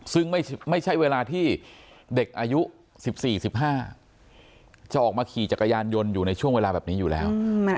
ซึ่งไม่ใช่เวลาที่เด็กอายุ๑๔๑๕จะออกมาขี่จักรยานยนต์อยู่ในช่วงเวลาแบบนี้อยู่แล้ว